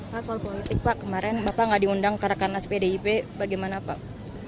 pak soal politik pak kemarin bapak nggak diundang ke rekanas pdip bagaimana pak